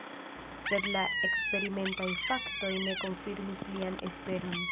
Sed la eksperimentaj faktoj ne konfirmis lian esperon.